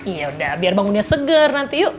yaudah biar bangunnya seger nanti yuk